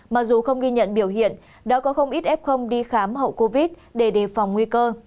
mặc dù không ghi nhận biểu hiện đã có không ít f đi khám hậu covid để đề phòng nguy cơ